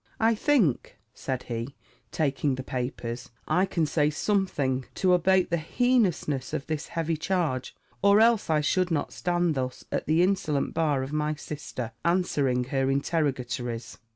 "I think," said he, taking the papers, "I can say something to abate the heinousness of this heavy charge, or else I should not stand thus at the insolent bar of my sister, answering her interrogatories."